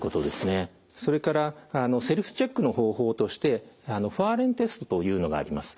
それからセルフチェックの方法としてファーレンテストというのがあります。